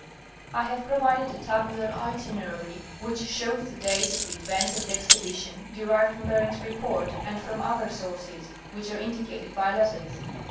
I have provided a tabular itinerary, which shows the dates of the events of the expedition, derived from Bering's Report and from other sources, which are indicated by letters.